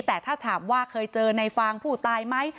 แต่ถ้าถามว่าเคยเจอในฟางผู้ตายไหม